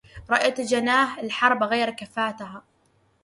رأيت جناة الحرب غير كفاتها